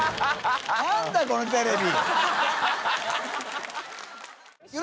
何だこのテレビ。